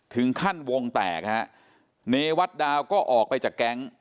ถึงขั้นวงแตกฮะเนวัตดาวก็ออกไปจากแก๊ง